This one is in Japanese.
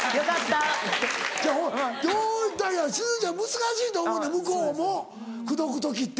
難しいと思うねん向こうも口説く時って。